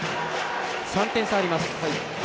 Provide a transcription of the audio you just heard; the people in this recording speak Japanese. ３点差あります。